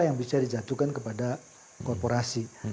yang bisa dijatuhkan kepada korporasi